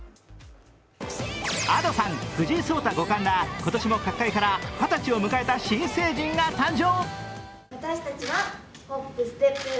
Ａｄｏさん、藤井聡太五冠ら今年も各界から二十歳を迎えた新成人が誕生。